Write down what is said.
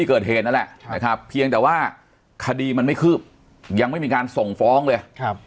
คดีมันไม่คืบยังไม่มีการส่งฟ้องเลยครับ